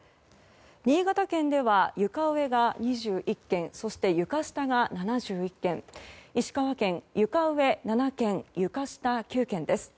新潟県では、床上が２１軒そして、床下が７１軒石川県、床上７軒床下９軒です。